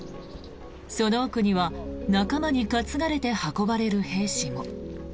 その奥には仲間に担がれて運ばれる兵士も。